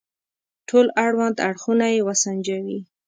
ټول اړوند اړخونه يې وسنجوي.